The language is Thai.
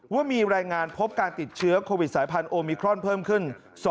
ว่ามีรายงานพบการติดเชื้อโควิดสายพันธุมิครอนเพิ่มขึ้น